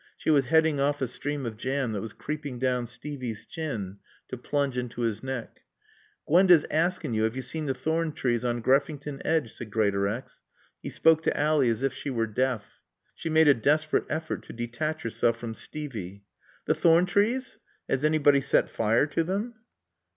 She was heading off a stream of jam that was creeping down Stevey's chin to plunge into his neck. "Gwenda's aasskin' yo 'ave yo seen t' thorn trees on Greffington Edge," said Greatorex. He spoke to Ally as if she were deaf. She made a desperate effort to detach herself from Stevey. "The thorn trees? Has anybody set fire to them?"